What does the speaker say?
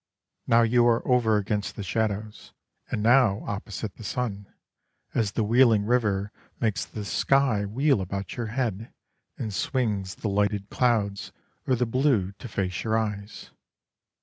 Now you are over against the shadows, and now opposite the sun, as the wheeling river makes the sky wheel about your head and swings the lighted clouds or the blue to face your eyes.